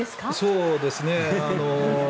そうですね。